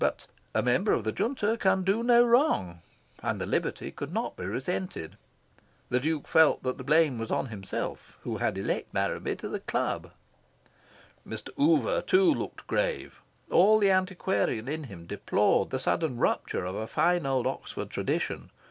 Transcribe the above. But "a member of the Junta can do no wrong," and the liberty could not be resented. The Duke felt that the blame was on himself, who had elected Marraby to the club. Mr. Oover, too, looked grave. All the antiquarian in him deplored the sudden rupture of a fine old Oxford tradition.